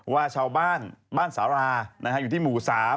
ว่าชาวบ้านบ้านสาราอยู่ที่หมู่๓